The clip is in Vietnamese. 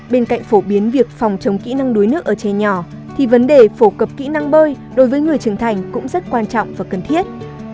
bên cạnh phổ biến việc phòng chống kỹ năng đuối nước ở trẻ nhỏ thì vấn đề phổ cập kỹ năng bơi đối với người trưởng thành cũng rất quan trọng và cần thiết